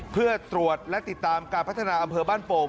เพื่อตรวจและติดตามการพัฒนาอำเภอบ้านโป่ง